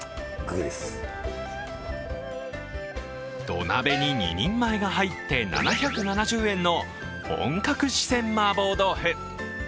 土鍋に２人前が入って７７０円の本格四川麻婆豆腐。